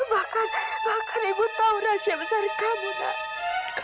bahkan bahkan ibu tahu rahasia besar kamu tahu